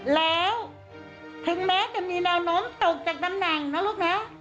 แล้วถึงแม้จะมีแนวโน้มตกจากตำแหน่งนะลูกนะ